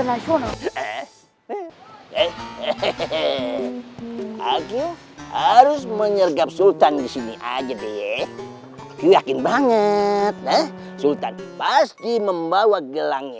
aku harus menyergap sultan disini aja deh yakin banget sultan pasti membawa gelangnya